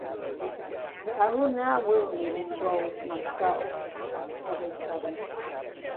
I would not willingly disclose myself of a sudden.